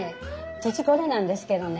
父これなんですけどね。